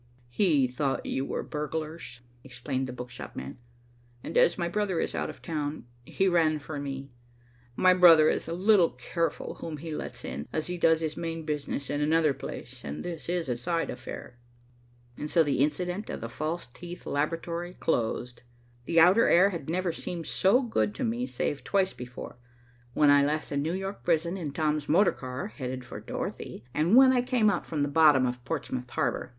"He thought you were burglars," explained the book shop man, "and as my brother is out of town, he ran for me. My brother is a little careful whom he lets in, as he does his main business in another place, and this is a side affair." And so the incident of the false teeth laboratory closed. The outer air had never seemed so good to me save twice before, when I left the New York prison in Tom's motor car headed for Dorothy, and when I came up from the bottom of Portsmouth Harbor.